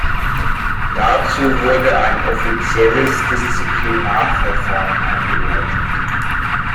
Dazu wurde ein offizielles Disziplinarverfahren eingeleitet.